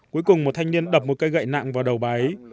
cuối cùng một thanh niên đập một cây gậy nặng vào đầu bà ấy